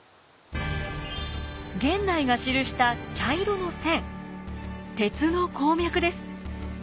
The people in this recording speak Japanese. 源内が記した茶色の線鉄の鉱脈です。